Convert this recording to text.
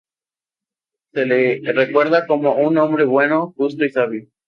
Se le recuerda como un hombre bueno, justo, sabio.